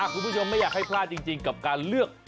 คุณผู้ชมไม่อยากให้พลาดจริงกับการเลือก